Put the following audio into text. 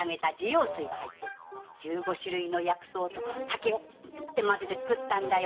十五種類の薬草と酒を混ぜて作ったんだよ。